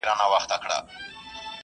په اسلامي شريعت کي نکاح څومره مهمه ده؟